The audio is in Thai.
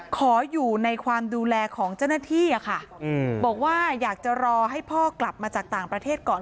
ขออยู่ในความดูแลของเจ้าหน้าที่อะค่ะบอกว่าอยากจะรอให้พ่อกลับมาจากต่างประเทศก่อน